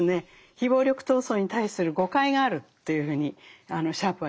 非暴力闘争に対する誤解があるというふうにシャープは言ってるんですね。